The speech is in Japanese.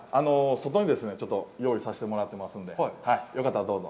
外にですね、用意させてもらってますんで、よかったらどうぞ。